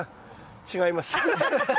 違います。